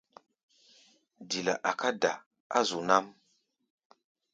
Dila a̧ká̧ da̧ á zu nám.